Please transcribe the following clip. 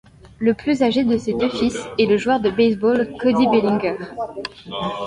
Le plus âgé de ses deux fils est le joueur de baseball Cody Bellinger.